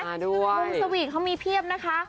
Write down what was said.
มุมสวีทเขามีเพียบนะคะ